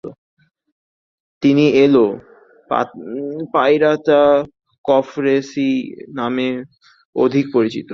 তিনি El Pirata Cofresi নামে অধিক পরিচিত।